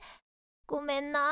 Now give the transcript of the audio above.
ごめんな。